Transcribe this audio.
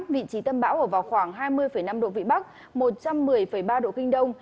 vị trí tâm bão ở vào khoảng hai mươi năm độ vĩ bắc một trăm một mươi ba độ kinh đông